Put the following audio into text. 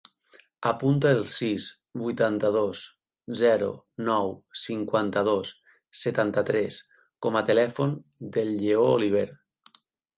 Apunta el sis, vuitanta-dos, zero, nou, cinquanta-dos, setanta-tres com a telèfon del Lleó Oliver.